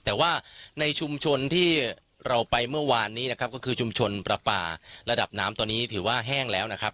แต่ว่าในชุมชนที่เราไปเมื่อวานนี้นะครับก็คือชุมชนประปาระดับน้ำตอนนี้ถือว่าแห้งแล้วนะครับ